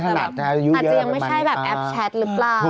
ยื้ออันนี้ค่ะอาจจะยังไม่ใช่แอปแชทหรือเปล่า